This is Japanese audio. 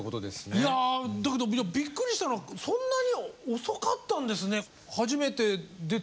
いやだけどびっくりしたのはそんなに遅かったんですね